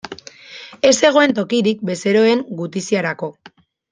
Ez zegoen tokirik bezeroen gutiziarako.